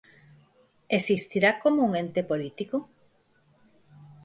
Existirá como un ente político?